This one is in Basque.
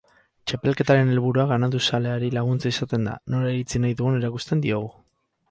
Txapelketaren helburua ganaduzaleari laguntzea izaten da, nora iritsi nahi dugun erakusten diogu.